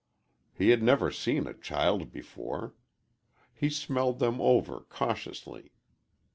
He had never seen a child before. He smelled them over cautiously.